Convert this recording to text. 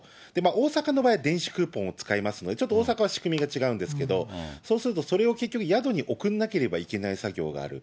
大阪の場合は電子クーポンを使いますので、ちょっと大阪は仕組みが違うんですけれども、そうすると、それを結局、宿に送らなきゃいけない作業がある。